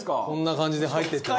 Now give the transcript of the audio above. こんな感じで入ってて。